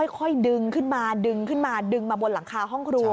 ค่อยดึงขึ้นมาดึงขึ้นมาดึงมาบนหลังคาห้องครัว